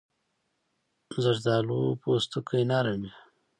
زردالو پوستکی نرم وي.